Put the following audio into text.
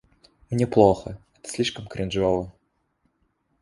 Мне плохо, это слишком кринжово.